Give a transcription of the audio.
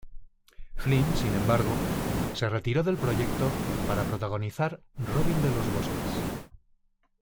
Flynn, sin embargo, se retiró del proyecto para protagonizar "Robin de los bosques".